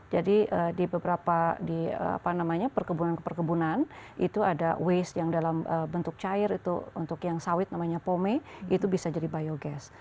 jadi di beberapa perkebunan perkebunan itu ada waste yang dalam bentuk cair untuk yang sawit namanya pome itu bisa jadi biogas